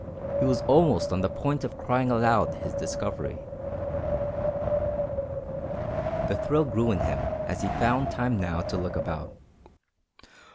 He was almost on the point of crying aloud his discovery. The thrill grew in him as he found time now to look about.